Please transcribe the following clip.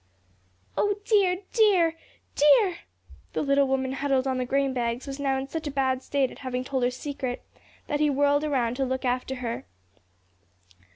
"O dear, dear, dear!" The little woman huddled on the grain bags was now in such a bad state at having told her secret that he whirled around to look after her.